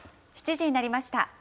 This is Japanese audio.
７時になりました。